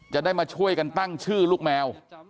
จะได้มาช่วยกันตั้งชื่อลูกแมว